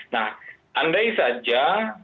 nah andai saja